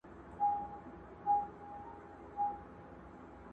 درد په حافظه کي پاتې کيږي،